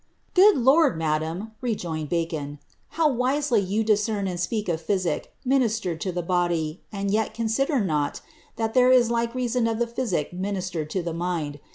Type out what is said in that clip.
^Oood Lord! madam," rejoined Bacon, ^how wisely you can dis cern and speak of physic ministered to the body, and yet consider not, that there is like reason of the physic ministered to the mind.